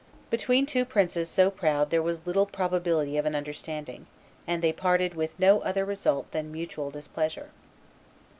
Between two princes so proud there was little probability of an understanding; and they parted with no other result than mutual displeasure.